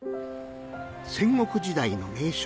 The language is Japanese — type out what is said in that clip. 戦国時代の名将